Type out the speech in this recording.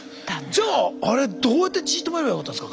じゃああれどうやって血を止めればよかったんですか？